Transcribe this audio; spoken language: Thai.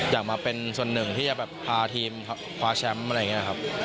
อยากมาเป็นส่วนหนึ่งที่จะมาพาทีมขวาแชมป์